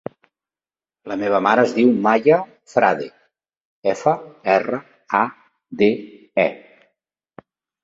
La meva mare es diu Maya Frade: efa, erra, a, de, e.